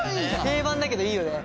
定番だけどいいよね。